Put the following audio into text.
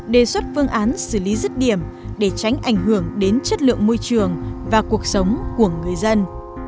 đề xuất phương án xử lý rứt điểm để tránh ảnh hưởng đến chất lượng môi trường và cuộc sống của người dân